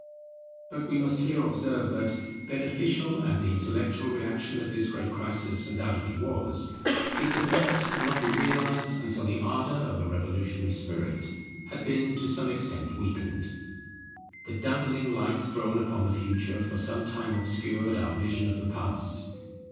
But we must here observe that, beneficial as the intellectual reaction of this great crisis undoubtedly was, its effects could not be realized until the ardour of the revolutionary spirit had been to some extent weakened. The dazzling light thrown upon the Future for some time obscured our vision of the Past.